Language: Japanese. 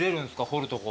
彫るとこ。